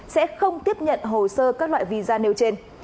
sẽ không tiếp nhận hồ sơ các loại visa nêu trên